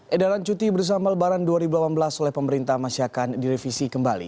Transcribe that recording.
edaran cuti bersama lebaran dua ribu delapan belas oleh pemerintah masih akan direvisi kembali